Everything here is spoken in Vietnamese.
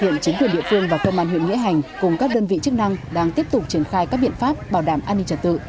hiện chính quyền địa phương và công an huyện nghĩa hành cùng các đơn vị chức năng đang tiếp tục triển khai các biện pháp bảo đảm an ninh trật tự